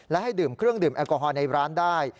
และให้ดื่มเครื่องดื่มแอลกอฮอลในร้านได้